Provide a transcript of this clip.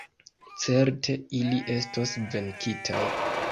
Certe ili estos venkitaj.